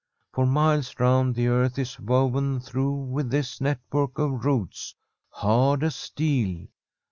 For miles round the earth is woven through with this network of roots, hard as steel.